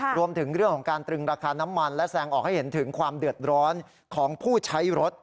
รวมถึงเรื่องของการตรึงราคาน้ำมันและแสงออกให้เห็นถึงความเดือดร้อนของผู้ใช้รถ